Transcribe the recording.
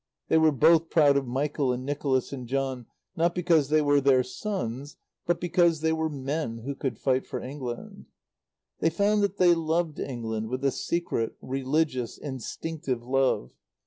They were both proud of Michael and Nicholas and John, not because they were their sons, but because they were men who could fight for England. They found that they loved England with a secret, religious, instinctive love.